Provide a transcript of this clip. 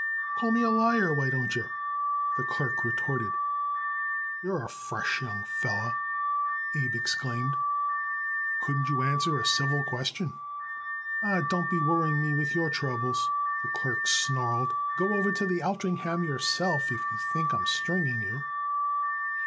"Call me a liar, why don't you?" the clerk retorted. "You're a fresh young feller!" Abe exclaimed. "Couldn't you answer a civil question?" "Ah, don't be worrying me with your troubles!" the clerk snarled. "Go over to the Altringham yourself, if you think I'm stringing you."